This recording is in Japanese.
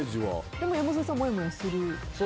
でも山添さんはもやもやする。